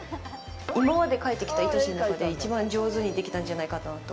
今まで描いてきた、いとしの中で、一番上手にできたんじゃないかなと。